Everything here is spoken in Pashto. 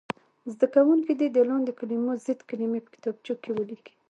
زده کوونکي دې د لاندې کلمو ضد کلمې په کتابچو کې ولیکي.